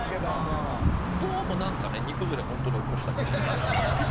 どうもなんかね煮崩れホントに起こしたみたいに。